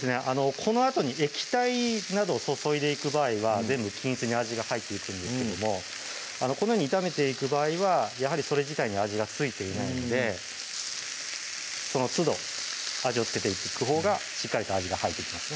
このあとに液体などを注いでいく場合は全部均一に味が入っていくんですけどもこのように炒めていく場合はやはりそれ自体に味が付いていないのでそのつど味を付けていくほうがしっかりと味が入っていきますね